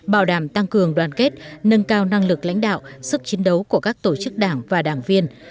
bảo đảm tăng cường đoàn kết nâng cao năng lực lãnh đạo sức chiến đấu của các tổ chức đảng và đảng viên